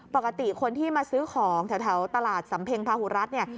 ปกติคนที่มาซื้อของแถวตลาดสำเพ็งพาหุรัฐเนี่ย